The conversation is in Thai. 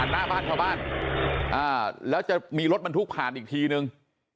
ท่อมาแล้วจะมีรถมันทุกข์ผ่านอีกทีหนึ่ง